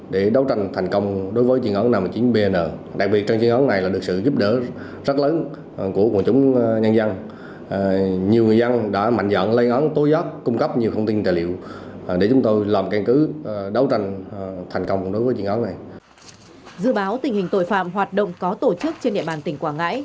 dự báo tình hình tội phạm hoạt động có tổ chức trên địa bàn tỉnh quảng ngãi